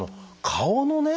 顔のね